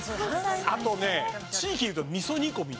あとね地域で言うと味噌煮込み。